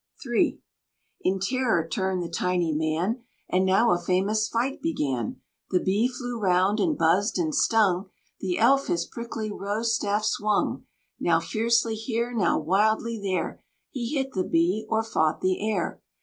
III. In terror turned the tiny man, And now a famous fight began: The Bee flew round, and buzzed and stung, The Elf his prickly rose staff swung. Now fiercely here, now wildly there, He hit the Bee or fought the air.